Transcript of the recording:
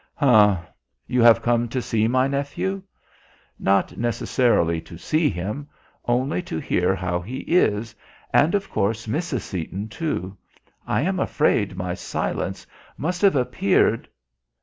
"H'm. You have come to see my nephew?" "Not necessarily to see him, only to hear how he is, and, of course, Mrs. Seaton too. I am afraid my silence must have appeared...."